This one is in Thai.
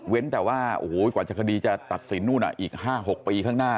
แต่ว่าโอ้โหกว่าจะคดีจะตัดสินนู่นอีก๕๖ปีข้างหน้า